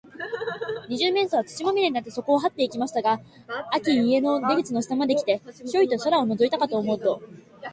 二十面相は、土まみれになって、そこをはっていきましたが、あき家の中の出口の下まで来て、ヒョイと外をのぞいたかと思うと、